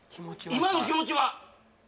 今の気持ちは？